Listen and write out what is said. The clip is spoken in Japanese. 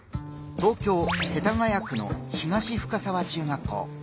東京・世田谷区の東深沢中学校。